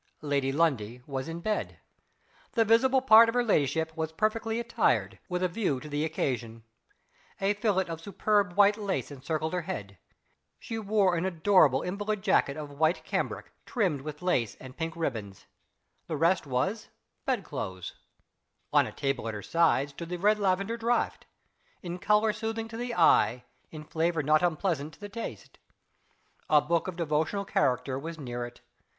Lady Lundie was in bed. The visible part of her ladyship was perfectly attired, with a view to the occasion. A fillet of superb white lace encircled her head. She wore an adorable invalid jacket of white cambric, trimmed with lace and pink ribbons. The rest was bed clothes. On a table at her side stood the Red Lavender Draught in color soothing to the eye; in flavor not unpleasant to the taste. A book of devotional character was near it.